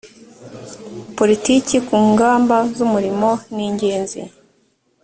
politiki ku ngamba z umurimo ni ingenzi